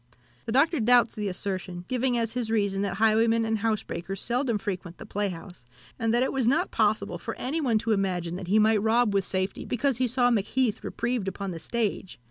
The Doctor doubts the assertion, giving as his reason that highwaymen and housebreakers seldom frequent the playhouse, and that it was not possible for any one to imagine that he might rob with safety, because he saw Macheath reprieved upon the stage.